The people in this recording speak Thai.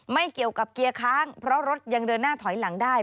ไม่เกี่ยวกับเกียร์ค้างเพราะรถยังเดินหน้าถอยหลังได้